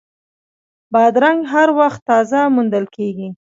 بادرنګ هر وخت تازه موندل کېږي.